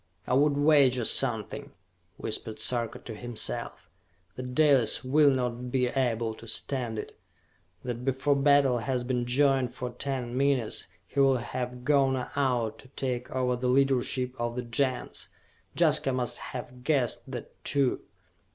"I would wager something," whispered Sarka to himself, "that Dalis will not be able to stand it! That before battle has been joined for ten minutes, he will have gone out to take over the leadership of the Gens! Jaska must have guessed that, too!